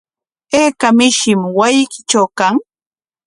¿Ayka mishim wasiykitraw kan?